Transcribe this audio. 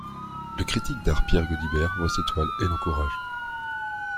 Le critique d'art Pierre Gaudibert voit ses toiles et l'encourage.